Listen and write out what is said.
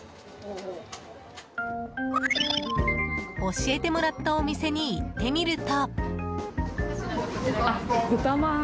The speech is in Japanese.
教えてもらったお店に行ってみると。